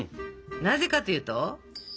なぜかというと？